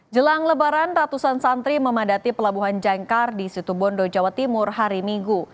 jelang lebaran ratusan santri memadati pelabuhan jangkar di situ bondo jawa timur hari minggu